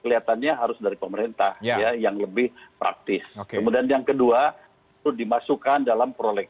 itu seperti tunjukan tijdelout